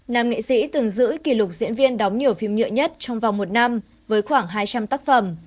nam nghệ sĩ từng giữ kỷ lục diễn viên đóng nhiều phim nhựa nhất trong vòng một năm với khoảng hai trăm linh tác phẩm